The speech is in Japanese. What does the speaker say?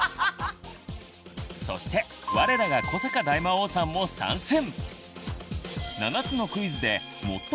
そして我らが古坂大魔王さんも参戦！